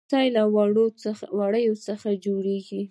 ليمڅی له وړيو څخه جوړيږي.